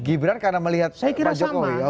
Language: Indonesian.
gibran karena melihat pak jokowi